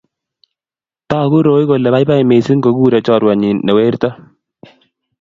Tagu kole baibai Roy missing ngokurei chorwenyu me werto